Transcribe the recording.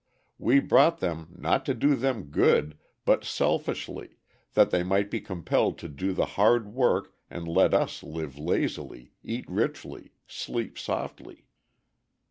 We brought them, not to do them good, but selfishly, that they might be compelled to do the hard work and let us live lazily, eat richly, sleep softly.